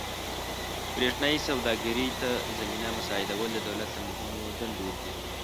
برېښنايي سوداګرۍ ته زمینه مساعدول د دولت له مهمو دندو دي.